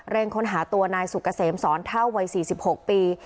ค้นหาตัวนายสุกเกษมสอนเท่าวัย๔๖ปี